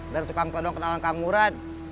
dari tukang kodong kenalan kang murad